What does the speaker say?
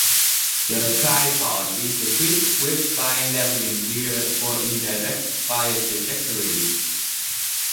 The tripod is equipped with fine levelling gear for indirect fire trajectories.